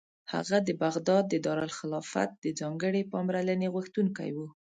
هغه د بغداد د دارالخلافت د ځانګړې پاملرنې غوښتونکی و.